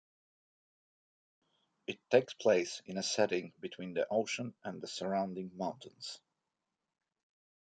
It takes place in a setting between the ocean and the surrounding mountains.